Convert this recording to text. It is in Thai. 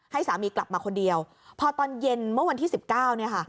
ให้สามีกลับมาคนเดียวพอตอนเย็นเมื่อวันที่สิบเก้าเนี่ยค่ะ